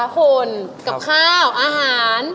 คุณกับข้าวอาหาร